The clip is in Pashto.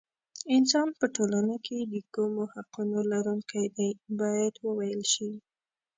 انسان په ټولنه کې د کومو حقونو لرونکی دی باید وویل شي.